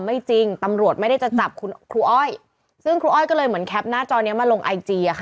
ไม่จริงตำรวจไม่ได้จะจับคุณครูอ้อยซึ่งครูอ้อยก็เลยเหมือนแคปหน้าจอนี้มาลงไอจีอะค่ะ